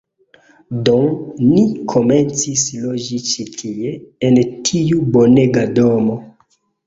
Do, ni komencis loĝi ĉi tie, en tiu bonega domo.